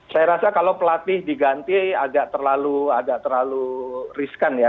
saya rasa kalau pelatih diganti agak terlalu riskan ya